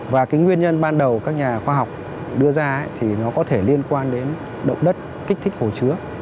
và cái nguyên nhân ban đầu các nhà khoa học đưa ra thì nó có thể liên quan đến động đất kích thích hồ chứa